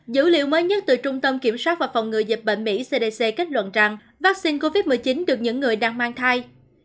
dữ liệu mới nhất từ trung tâm kiểm soát và phòng ngừa dịch bệnh mỹ cdc kết luận rằng vaccine covid một mươi chín được những người đang mang thai